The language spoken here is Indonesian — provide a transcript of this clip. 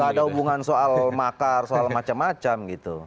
gak ada hubungan soal makar soal macam macam gitu